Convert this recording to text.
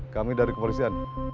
kami dari kepolisian